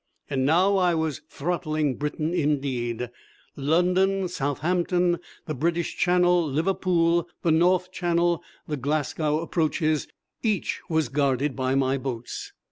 And now I was throttling Britain indeed London, Southampton, the Bristol Channel, Liverpool, the North Channel, the Glasgow approaches, each was guarded by my boats.